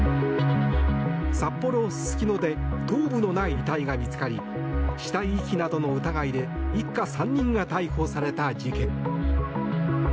札幌・すすきので頭部のない遺体が見つかり死体遺棄などの疑いで一家３人が逮捕された事件。